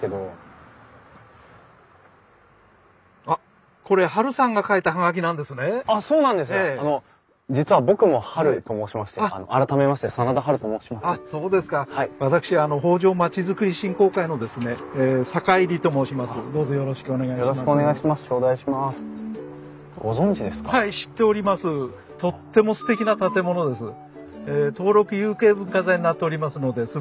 登録有形文化財になっておりますのですばらしいですよ。